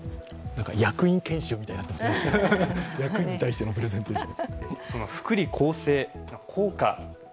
役員研修みたいになっていますね、役員に対してのプレゼンテーション。